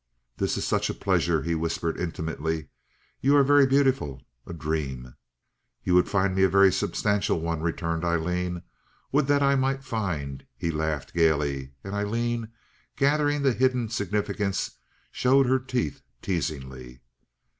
"This is such a pleasure," he whispered, intimately. "You are very beautiful—a dream!" "You would find me a very substantial one," returned Aileen. "Would that I might find," he laughed, gaily; and Aileen, gathering the hidden significance, showed her teeth teasingly.